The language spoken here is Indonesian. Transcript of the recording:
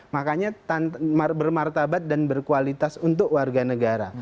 makanya bermartabat dan berkualitas untuk warga negara